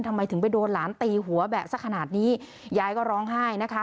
ทำไมถึงไปโดนหลานตีหัวแบบสักขนาดนี้ยายก็ร้องไห้นะคะ